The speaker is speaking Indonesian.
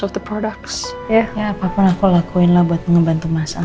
of the products ya ya apapun aku lakuinlah buat ngebantu mas am